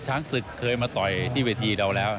ช้างศึกเคยมาต่อยที่เวทีเราแล้ว